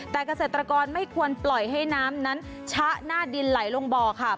แต่เกษตรกรไม่ควรปล่อยให้น้ำนั้นชะหน้าดินไหลลงบ่อค่ะ